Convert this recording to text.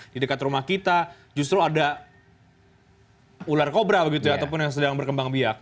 di dekat rumah kita justru ada ular kobra begitu ya ataupun yang sedang berkembang biak